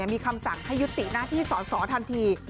มีคำสั่งให้ยุติหน้าที่สอสอทันที